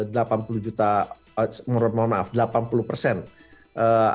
dari delapan puluh juta orang yang sudah mengambil vaksinasi di amerika serikat ini